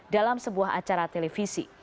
dalam sebuah acara televisi